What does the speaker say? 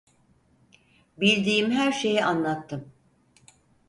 Bildiğim her şeyi anlattım.